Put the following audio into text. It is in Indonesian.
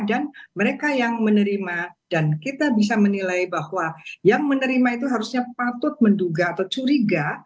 dan mereka yang menerima dan kita bisa menilai bahwa yang menerima itu harusnya patut menduga atau curiga